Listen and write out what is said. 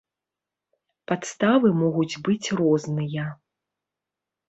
Падставы могуць быць розныя.